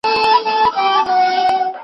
د کار ځواک مهارتونه د بازار اړتیا پوره کوي.